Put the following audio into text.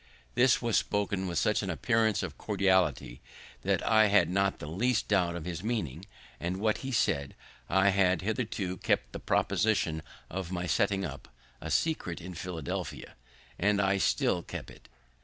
This was spoken with such an appearance of cordiality, that I had not the least doubt of his meaning what he said. I had hitherto kept the proposition of my setting up, a secret in Philadelphia, and I still kept it.